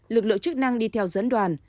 lực lượng chức năng đi theo dẫn đoàn